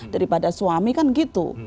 daripada suami kan gitu